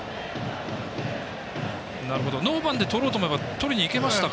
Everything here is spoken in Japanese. ノーバンでとろうと思えばとりにいけましたか。